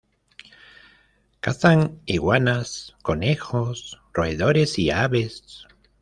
Cazan iguanas, conejos, roedores y aves.